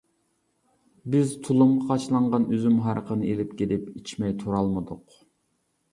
بىز تۇلۇمغا قاچىلانغان ئۈزۈم ھارىقىنى ئېلىپ كېلىپ ئىچمەي تۇرالمىدۇق.